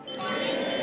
え！